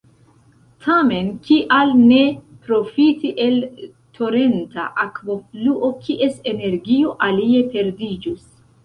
Tamen kial ne profiti el torenta akvofluo kies energio alie perdiĝus?